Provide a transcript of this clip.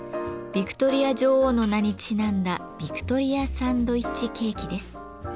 ビクトリア女王の名にちなんだビクトリアサンドイッチケーキです。